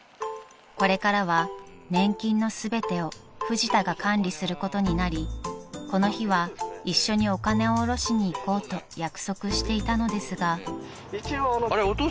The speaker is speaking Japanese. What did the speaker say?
［これからは年金の全てをフジタが管理することになりこの日は一緒にお金を下ろしに行こうと約束していたのですが］